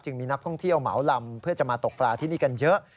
มีนักท่องเที่ยวเหมาลำเพื่อจะมาตกปลาที่นี่กันเยอะ